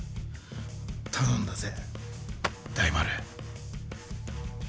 頼んだぜ大丸。